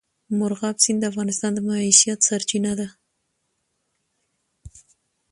مورغاب سیند د افغانانو د معیشت سرچینه ده.